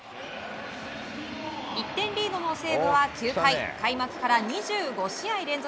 １点リードの西武は９回開幕から２５試合連続